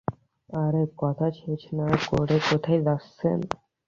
আরে কথা শেষ না করে কোথায় যাচ্ছেন।